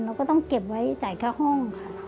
เราก็ต้องเก็บไว้จ่ายค่าห้องค่ะ